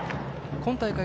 今大会